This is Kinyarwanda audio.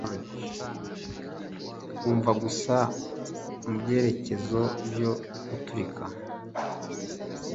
umva gusa mubyerekezo byo guturika